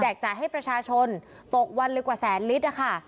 จ่ายให้ประชาชนตกวันเลยกว่าแสนลิตรนะคะ